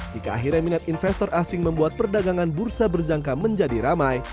jika akhirnya minat investor asing membuat perdagangan bursa berjangka menjadi ramai